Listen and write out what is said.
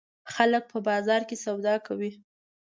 خلک په بازار کې سودا کوي.